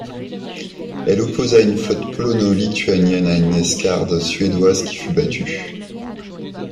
Elle opposa une flotte polono-lituanienne à une escadre suédoise qui fut battue.